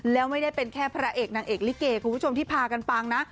แล้วไม่ได้เป็นแค่พระเอกนางเอกลิเกคุณผู้ชมที่พากันปังนะ